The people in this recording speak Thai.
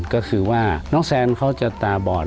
ก็คือว่าน้องแซนเขาจะตาบอด